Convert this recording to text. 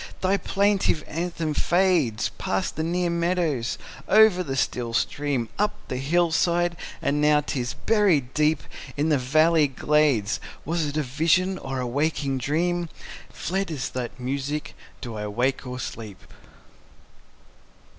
thy plaintive anthem fades Past the near meadows, over the still stream, Up the hill side; and now 'tis buried deep In the next valley glades: Was it a vision, or a waking dream? Fled is that music: Do I wake or sleep?